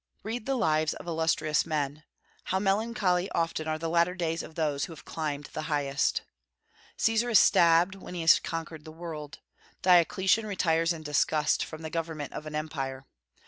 Read the lives of illustrious men; how melancholy often are the latter days of those who have climbed the highest! Caesar is stabbed when he has conquered the world. Diocletian retires in disgust from the government of an empire.